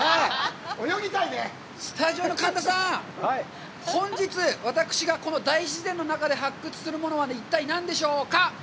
スタジオの神田さん、本日、私がこの大自然の中で発掘するものは一体何でしょうか！